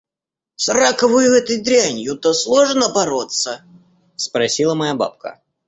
«С раковою этой дрянью-то сложно бороться?» — спросила моя бабка.